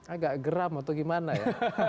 agak geram atau gimana ya